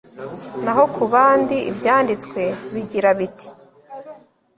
Naho ku bandi ibyanditswe bigira biti